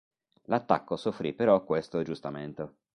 L'attacco soffrì però questo aggiustamento.